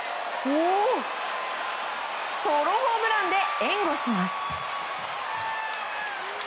ソロホームランで援護します。